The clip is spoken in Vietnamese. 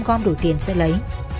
gom đủ tiền sẽ lấy